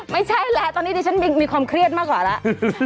ไม่ใช่แล้วตอนนี้ดิฉันมีความเครียดมากกว่าแล้ว